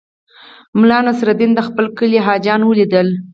ملا نصرالدین د خپل کلي حاجیان ولیدل.